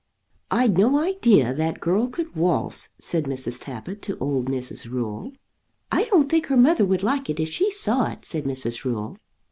"I'd no idea that girl could waltz," said Mrs. Tappitt to old Mrs. Rule. "I don't think her mother would like it if she saw it," said Mrs. Rule.